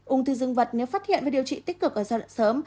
úng thư dân vật nếu phát hiện với điều trị tích cực ở giai đoạn sớm